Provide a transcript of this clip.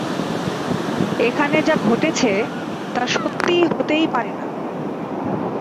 এখানে যা ঘটেছে, তা সত্যি হতেই পারে না।